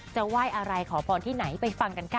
ไหว้อะไรขอพรที่ไหนไปฟังกันค่ะ